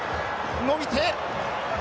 伸びて。